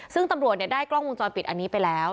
ซึ่งตำรวจได้กล้องวงจรปิดอันนี้ไปแล้ว